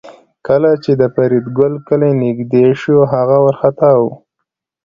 کله چې د فریدګل کلی نږدې شو هغه وارخطا و